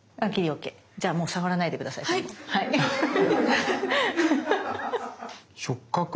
じゃあもう触らないで下さいそのまま。